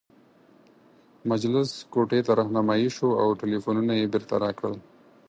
مجلس کوټې ته رهنمايي شوو او ټلفونونه یې بیرته راکړل.